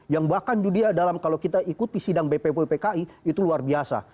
yang bahkan dunia dalam kalau kita ikuti sidang bppki itu luar biasa